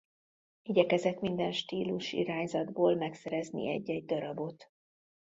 Igyekezett minden stílusirányzatból megszerezni egy-egy darabot.